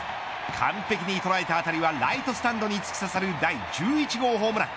完璧に捉えた当たりはライトスタンドに突き刺さる第１１号ホームラン。